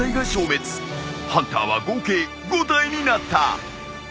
ハンターは合計５体になった。